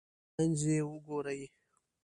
منځ یې وګورئ.